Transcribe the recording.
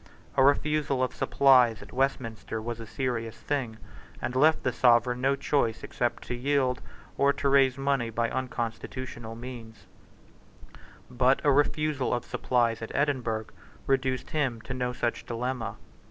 A refusal of supplies at Westminster was a serious thing, and left the Sovereign no choice except to yield, or to raise money by unconstitutional means, But a refusal of supplies at Edinburgh reduced him to no such dilemma.